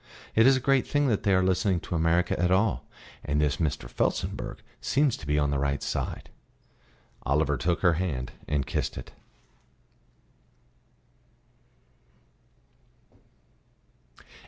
It is a great thing that they are listening to America at all. And this Mr. Felsenburgh seems to be on the right side." Oliver took her hand and kissed it.